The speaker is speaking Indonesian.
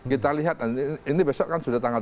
kita lihat ini besok kan sudah tanggal